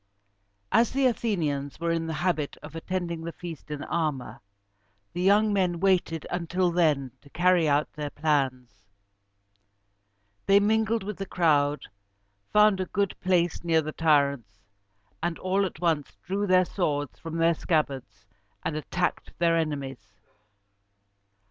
As the Athenians were in the habit of attending the feast in armor, the young men waited until then to carry out their plans. They mingled with the crowd, found a good place near the tyrants, and all at once drew their swords from their scabbards and attacked their enemies.